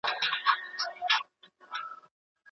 چي د دواړو په شعرونو کي